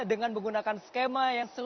dengan menggunakan skema yang sempur